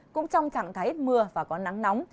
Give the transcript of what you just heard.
cũng trong trạng thái ít mưa và có nắng nóng